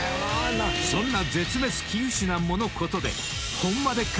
［そんな絶滅危惧種なもの・ことでホンマでっか